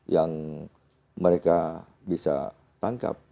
yang mereka bisa tangkap